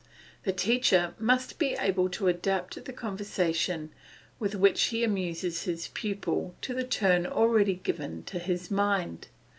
The teacher must be able to adapt the conversation with which he amuses his pupil to the turn already given to his mind.